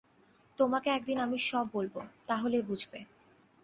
তোমাকে এক দিন আমি সব বলব, তাহলেই বুঝবে।